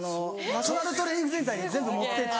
ナショナルトレーニングセンターに全部持ってって。